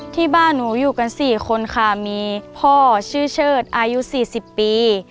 ที่บ้านหนูอยู่กัน๔คนค่ะมีพ่อชื่อเชิดอายุ๔๐ปี